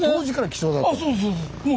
そうそう。